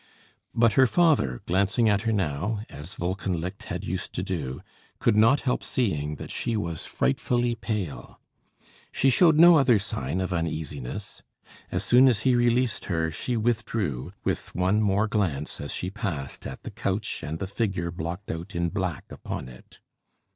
But her father, glancing at her now, as Wolkenlicht had used to do, could not help seeing that she was frightfully pale. She showed no other sign of uneasiness. As soon as he released her, she withdrew, with one more glance, as she passed, at the couch and the figure blocked out in black upon it.